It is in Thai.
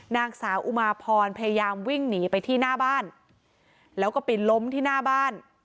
นางสาวอุมาพรพยายามวิ่งหนีไปที่หน้าบ้านแล้วก็ไปล้มที่หน้าบ้าน